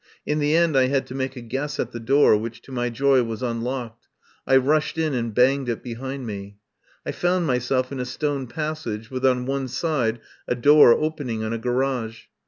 In the end I had to make a guess at the door, which to my joy was un locked. I rushed in and banged it behind me. I found myself in a stone passage, with on one side a door opening on a garage.